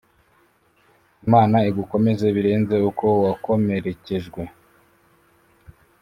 Imana igukomeze birenze uko wakomerekejwe